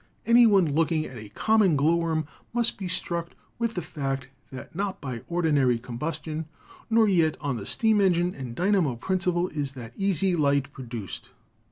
"Any one looking at a common glowworm must be struck with the fact that not by ordinary combustion, nor yet on the steam engine and dynamo principle is that easy light produced.